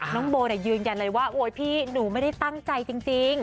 น้องโบยืนยันเลยว่าโอ๊ยพี่หนูไม่ได้ตั้งใจจริง